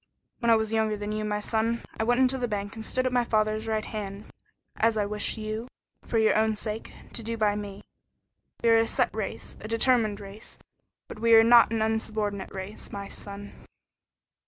When I was younger than you, my son, I went into the bank and stood at my father's right hand, as I wish you for your own sake to do by me. We are a set race a determined race, but we are not an insubordinate race, my son."